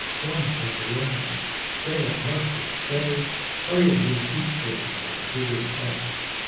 Coins of the Romans, tray on rusted tray, Hurriedly heaped there by a digger prest.